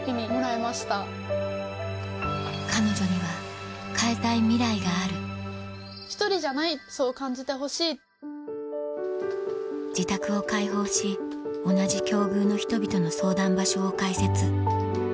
彼女には変えたいミライがある自宅を開放し同じ境遇の人々の相談場所を開設